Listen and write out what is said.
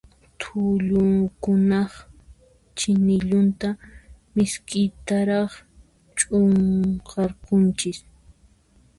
Tullukunaq chinillunta misk'itaraq ch'unqarqunchis.